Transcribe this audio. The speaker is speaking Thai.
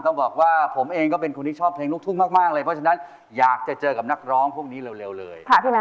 ต้องบอกว่าผมเองก็เป็นคนที่ชอบเพลงลูกทุ่งมากเลยเพราะฉะนั้นอยากจะเจอกับนักร้องพวกนี้เร็วเลย